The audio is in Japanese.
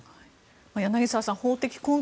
柳澤さん、法的根拠